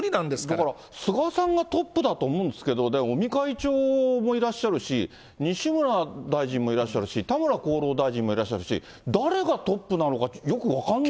僕は菅さんがトップだと思うんですけど、でも尾身会長もいらっしゃるし、西村大臣もいらっしゃるし田村厚労大臣もいらっしゃるし、誰がトップなのか、よく分かんない。